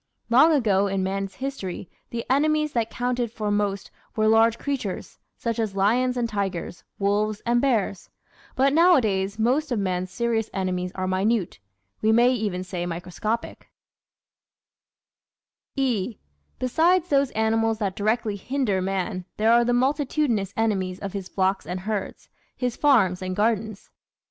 Long ago in man's history the enemies that counted for most were large creatures, such as lions and tigers, wolves and bears; but nowadays most of man's serious enemies are minute, we may even say microscopic, (e) Besides those animals that directly hinder man there are the multi tudinous enemies of his flocks and herds, his farms and gardens.